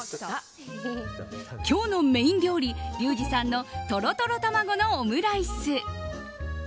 今日のメイン料理リュウジさんのトロトロ卵のオムライス。